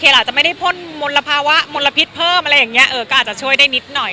อาจจะไม่ได้พ่นมลภาวะมลพิษเพิ่มอะไรอย่างเงี้เออก็อาจจะช่วยได้นิดหน่อย